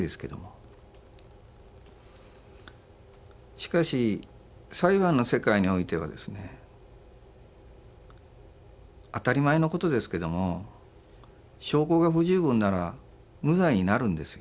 しかし裁判の世界においてはですね当たり前のことですけども証拠が不十分なら無罪になるんですよ。